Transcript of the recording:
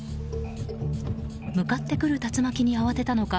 向かってくる竜巻に慌てたのか